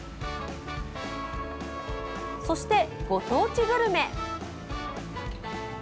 そしてご当地グルメ。